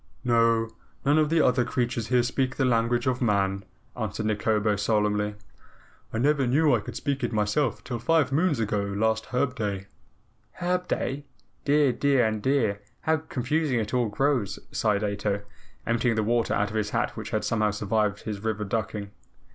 "No, none of the other creatures here speak the language of man," answered Nikobo solemnly. "I never knew I could speak it myself till five moons ago last Herb Day." "Herb Day? Dear, dear and dear! How confusing it all grows," sighed Ato, emptying the water out of his hat which had somehow survived his river ducking.